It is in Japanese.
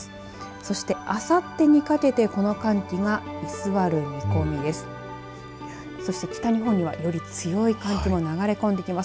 そしてあさってにかけてこの寒気が居座る見込みです。